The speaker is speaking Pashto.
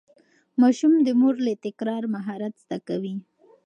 ماشوم د مور له تکرار مهارت زده کوي.